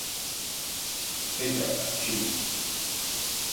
Pekala, şimdi!